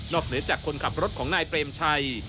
เหนือจากคนขับรถของนายเปรมชัย